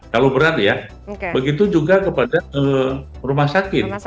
kalau berat ya begitu juga kepada rumah sakit